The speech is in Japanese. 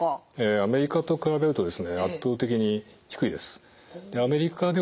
アメリカと比べると圧倒的に低いです。